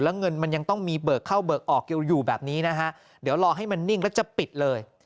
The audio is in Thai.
แล้วเงินมันยังต้องมีเบิกเข้าเบิกออกอยู่แบบนี้นะฮะเดี๋ยวรอให้มันนิ่งแล้วจะปิดเลย